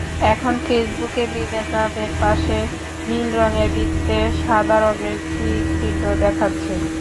এখন ফেসবুকে মিমের নামের পাশে নীল রঙের বৃত্তে সাদা রঙের টিক চিহ্ন দেখাচ্ছে।